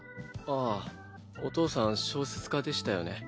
ああお父さん小説家でしたよね。